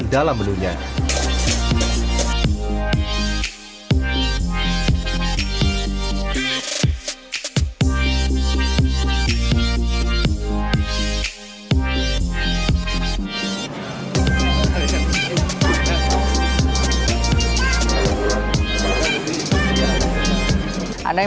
sisa seharusnyapldp supaya